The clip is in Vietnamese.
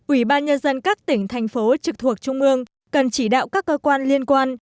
ủy ban nhân dân các tỉnh thành phố trực thuộc trung ương cần chỉ đạo các cơ quan liên quan